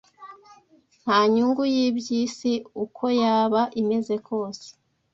Nta nyungu y’iby’isi uko yaba imeze kose